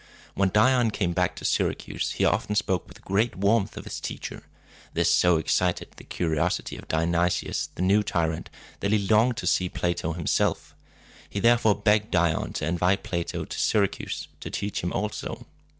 When Dion came back to Syracuse, he often spoke with great warmth of his teacher. This so excited the curiosity of Dionysius, the new tyrant, that he longed to see Plato himself. He therefore begged Dion to invite Plato to Syracuse to teach him also.